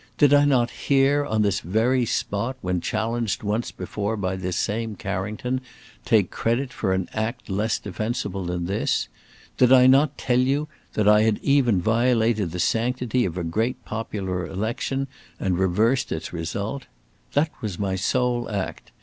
Did I not here, on this very spot, when challenged once before by this same Carrington, take credit for an act less defensible than this? Did I not tell you then that I had even violated the sanctity of a great popular election and reversed its result? That was my sole act!